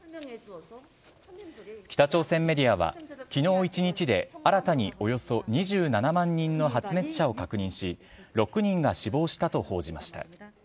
北朝鮮メディアは、きのう１日で新たにおよそ２７万人の発熱者を確認し、６人が死亡したと報じました。